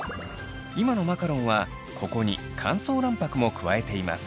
今のマカロンはここに乾燥卵白も加えています。